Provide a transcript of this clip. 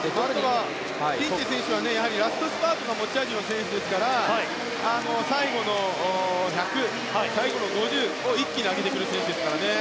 フィンケ選手はラストスパートが持ち味の選手ですから最後の１００、最後の５０を一気に上げてくる選手ですから。